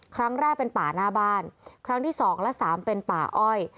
ครั้งแรกเป็นป่าหน้าบ้านครั้งที่สองและสามเป็นป่าอ้อย